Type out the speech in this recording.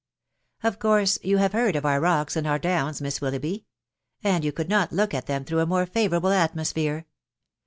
" Of course you have heard of our ■neks and our downs, Miss WiBoughby ? ami you ceuld not look at them through a more favourable atmosphere'.